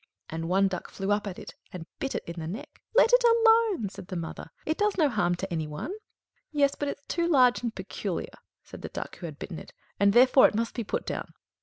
And one duck flew up at it, and bit it in the neck. "Let it alone," said the mother; "it does no harm to any one." "Yes, but it's too large and peculiar," said the Duck who had bitten it; "and therefore it must be put down."